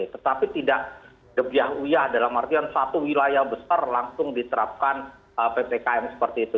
tetapi tidak gebiah uyah dalam artian satu wilayah besar langsung diterapkan ppkm seperti itu